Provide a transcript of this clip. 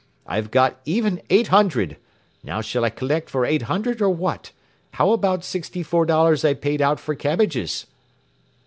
I've got even eight hundred, now shall I collect for eight hundred or what, how about sixty four dollars I paid out for cabbages.